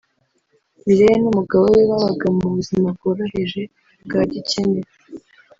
Mireille n’umugabo we babaga mu buzima bworoheje bwa gikene